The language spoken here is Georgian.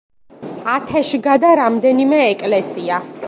ათეშგა და რამდენიმე ეკლესია.